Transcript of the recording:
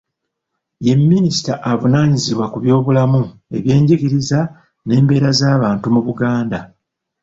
Ye mnisita avunaanyizibwa ku by'obulamu, ebyenjigiriza n'embeera z'abantu mu Buganda.